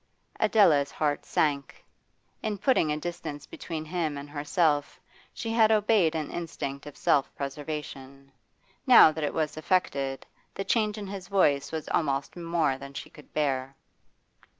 Adela's heart sank. In putting a distance between him and herself she had obeyed an instinct of self preservation; now that it was effected, the change in his voice was almost more than she could bear.